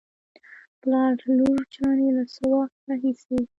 پلار : لور جانې له څه وخت راهېسې